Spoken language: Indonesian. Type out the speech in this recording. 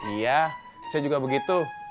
iya saya juga begitu